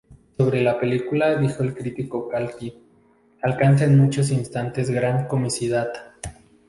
Sobre la película dijo el crítico Calki: “Alcanza en muchos instantes gran comicidad.